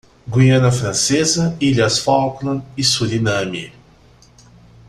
Guiana Francesa, Ilhas Falkland e Suriname.